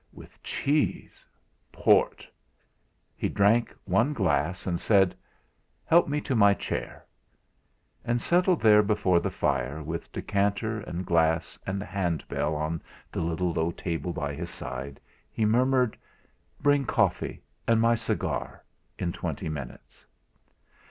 With cheese port! He drank one glass, and said: "Help me to my chair." And settled there before the fire with decanter and glass and hand bell on the little low table by his side, he murmured: "Bring coffee, and my cigar, in twenty minutes."